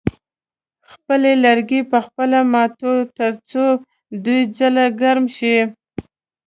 خپل لرګي په خپله ماتوه تر څو دوه ځله ګرم شي.